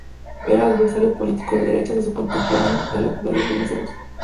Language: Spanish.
Era el adversario político de derechas de su contemporáneo Eleftherios Venizelos.